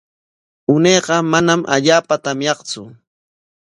Unayqa manam allaapa tamyaqtsu.